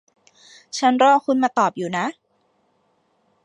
ฉันรอคุณมาตอบอยู่นะ